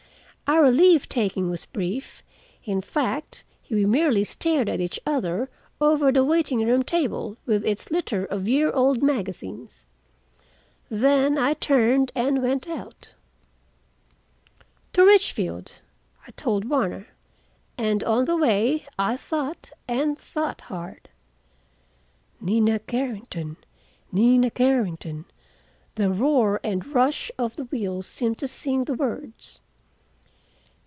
Our leave taking was brief; in fact, we merely stared at each other over the waiting room table, with its litter of year old magazines. Then I turned and went out. "To Richfield," I told Warner, and on the way I thought, and thought hard. "Nina Carrington, Nina Carrington," the roar and rush of the wheels seemed to sing the words.